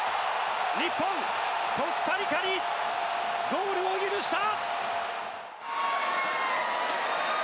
日本コスタリカにゴールを許した！